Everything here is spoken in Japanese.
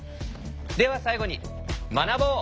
では最後に学ぼう！